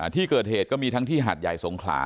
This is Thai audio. ที่เกิดเหตุก็มีทั้งที่หาดใหญ่สงขลา